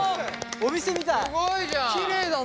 お店みたいだよ。